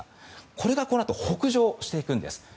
これがこのあと北上していくんです。